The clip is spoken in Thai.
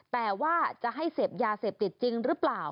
แต่ว่าจะให้เสพยาเสพติดจริงหรือเปล่า